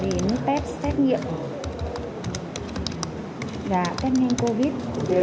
đến test xét nghiệm và test nghiệm covid